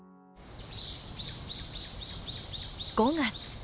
５月。